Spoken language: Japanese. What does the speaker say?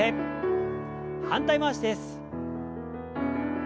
反対回しです。